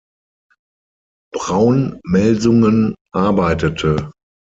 Braun Melsungen arbeitete.